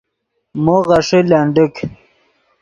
مو غیݰے لنڈیک